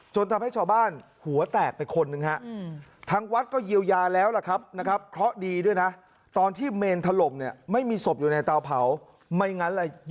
จนทำให้ชาวบ้านหัวแตกไปคนหนึ่ง